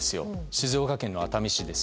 静岡県の熱海市です。